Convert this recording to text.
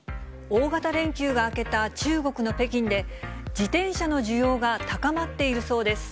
大型連休が明けた中国の北京で、自転車の需要が高まっているそうです。